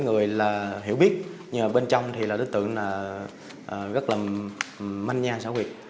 các người là hiểu biết nhưng mà bên trong thì là đối tượng là rất là manh nha xã huyệt